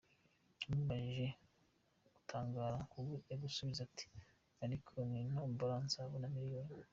Umubajije utangara yagusubiza ati : «ariko nintombora nzabona Miliyoni» !